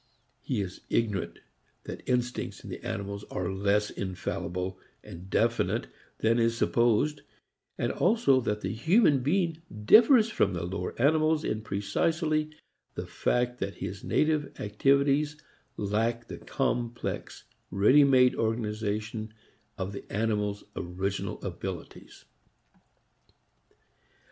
He is ignorant that instincts in the animals are less infallible and definite than is supposed, and also that the human being differs from the lower animals in precisely the fact that his native activities lack the complex ready made organization of the animals' original abilities.